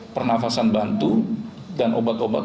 pernafasan bantu dan obat obat